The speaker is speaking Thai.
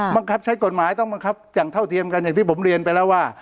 บังคับใช้กฎหมายต้องบังคับอย่างเท่าเทียมกันอย่างที่ผมเรียนไปแล้วว่า